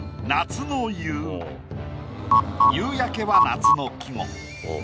「夕焼け」は夏の季語。